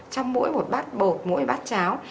trong mỗi một bát bột mỗi bát cháo